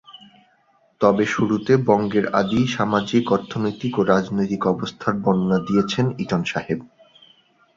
তবে শুরুতে বঙ্গের আদি সামাজিক, অর্থনৈতিক ও রাজনৈতিক অবস্থার বর্ণনা দিয়েছেন ইটন সাহেব।